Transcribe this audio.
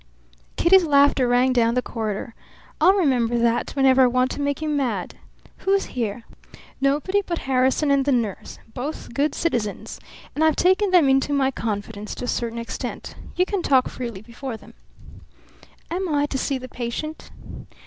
Kitty's laughter rang down the corridor. "I'll remember that whenever I want to make you mad. Who's here?" "Nobody but Harrison and the nurse. Both good citizens, and I've taken them into my confidence to a certain extent. You can talk freely before them." "Am I to see the patient?"